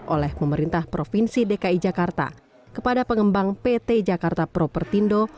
oleh pemerintah provinsi dki jakarta kepada pengembang pt jakarta propertindo